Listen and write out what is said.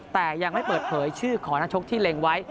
แต่ยังไม่เปิดเผยชื่อของนักชกที่เล็งไว้